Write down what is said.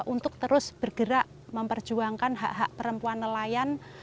untuk terus bergerak memperjuangkan hak hak perempuan nelayan